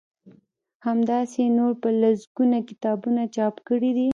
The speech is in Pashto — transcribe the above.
همداسی يې نور په لسګونه کتابونه چاپ کړي دي